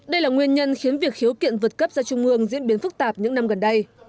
đây là nguyên nhân khiến việc khiếu kiện vượt cấp ra trung ương diễn biến phức tạp những năm gần đây